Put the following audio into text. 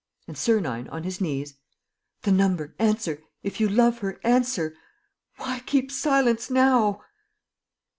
And Sernine, on his knees: "The number ... answer. ... If you love her, answer. ... Why keep silence now?"